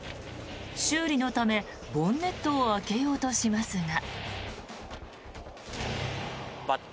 修理のため、ボンネットを開けようとしますが。